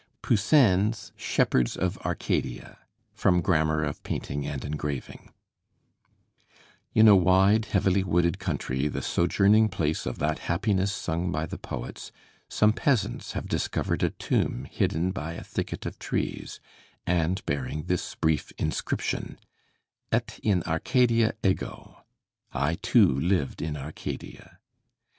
POUSSIN'S 'SHEPHERDS OF ARCADIA' From 'Grammar of Painting and Engraving' In a wide, heavily wooded country, the sojourning place of that happiness sung by the poets, some peasants have discovered a tomb hidden by a thicket of trees, and bearing this brief inscription: "Et in Arcadia ego" (I too lived in Arcadia).